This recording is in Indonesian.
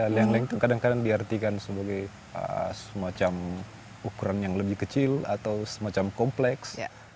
leng leng itu kadang kadang diartikan sebagai semacam ukuran yang lebih kecil atau semacam kompleks